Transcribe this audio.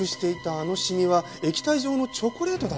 あの染みは液体状のチョコレートだったんですね。